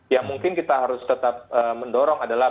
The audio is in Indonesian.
yang mungkin kita harus tetap mendorong adalah